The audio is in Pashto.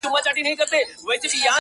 • له آدمه تر دې دمه په قرنونو -